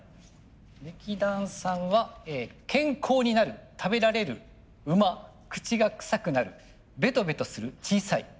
劇団さんは「健康になる食べられる」「馬口がくさくなる」「ベトベトする小さい」。